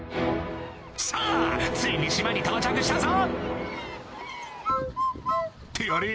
さぁついに島に到着したぞってあれ？